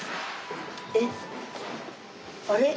えっあれ？